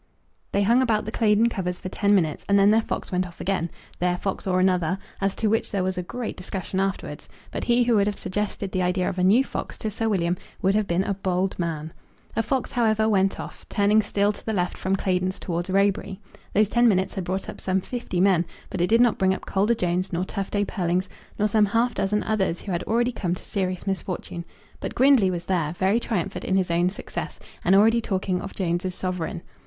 They hung about the Claydon covers for ten minutes, and then their fox went off again, their fox or another, as to which there was a great discussion afterwards; but he who would have suggested the idea of a new fox to Sir William would have been a bold man. A fox, however, went off, turning still to the left from Claydon's towards Roebury. Those ten minutes had brought up some fifty men; but it did not bring up Calder Jones nor Tufto Pearlings, nor some half dozen others who had already come to serious misfortune; but Grindley was there, very triumphant in his own success, and already talking of Jones's sovereign.